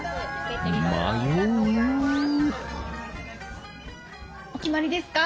迷うお決まりですか？